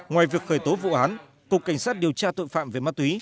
ngoài việc khởi tố vụ án cục cảnh sát điều tra tội phạm về ma túy